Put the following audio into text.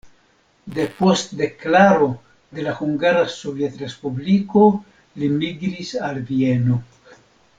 Depost deklaro de la Hungara Sovetrespubliko li migris al Vieno.